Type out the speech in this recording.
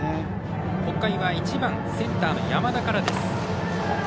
北海は１番センターの山田からです。